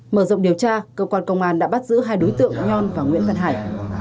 mở rộng điều tra cơ quan công an đã bắt giữ hai đối tượng nhon và nguyễn văn hải